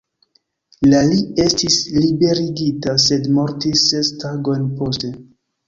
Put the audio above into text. La li estis liberigita, sed mortis ses tagojn poste.